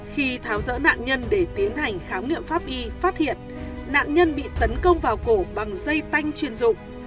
khi tháo dỡ nạn nhân để tiến hành khám nghiệm pháp y phát hiện nạn nhân bị tấn công vào cổ bằng dây tanh chuyên dụng